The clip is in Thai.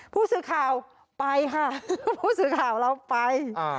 ผู้สื่อข่าวไปค่ะผู้สื่อข่าวเราไป